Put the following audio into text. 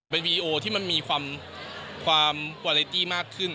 เป็นวีดีโอที่มันมีความวาเลตี้มากขึ้น